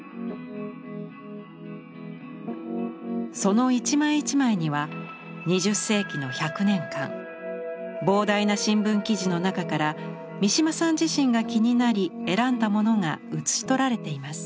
その一枚一枚には２０世紀の１００年間膨大な新聞記事の中から三島さん自身が気になり選んだものが写し取られています。